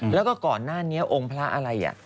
แล้วก็ก่อนหน้านี้องค์พระอะไร